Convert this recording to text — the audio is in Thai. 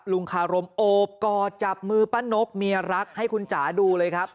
ลุงคารมโอบกอดจับมือป้านกเมียรักให้คุณจ๋าดูเลยครับ